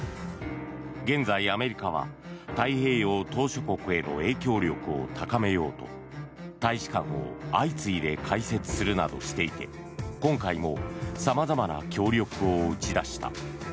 現在、アメリカは太平洋島しょ国への影響力を高めようと大使館を相次いで開設するなどしていて今回も様々な協力を打ち出した。